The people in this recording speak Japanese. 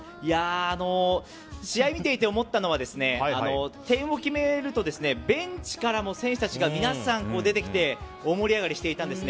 試合を見ていて思ったのは点を決めるとベンチからも選手たちが皆さん出てきて大盛り上がりしていたんです。